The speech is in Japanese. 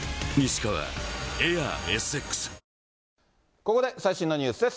ここで最新のニュースです。